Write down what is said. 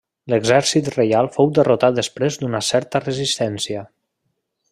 L'exèrcit reial fou derrotat després d'una certa resistència.